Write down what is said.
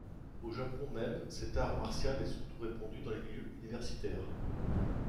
Au Japon même, cet art martial est surtout répandu dans les milieux universitaires.